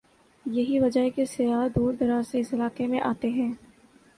یہی وجہ ہے کہ سیاح دور دراز سے اس علاقے میں آتے ہیں ۔